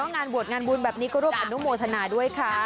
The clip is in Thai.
งานบวชงานบุญแบบนี้ก็ร่วมอนุโมทนาด้วยค่ะ